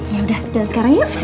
yaudah jalan sekarang yuk